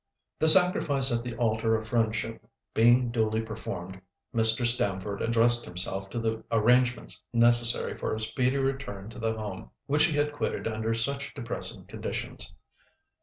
The sacrifice at the altar of friendship being duly performed, Mr. Stamford addressed himself to the arrangements necessary for a speedy return to the home which he had quitted under such depressing conditions.